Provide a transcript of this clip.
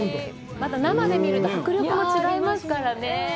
また、生で見ると、迫力も違いますからね。